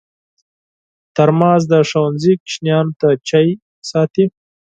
ترموز د ښوونځي ماشومانو ته چای ساتي.